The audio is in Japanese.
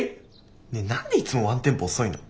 ねえ何でいつもワンテンポ遅いの？